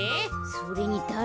それにだれ？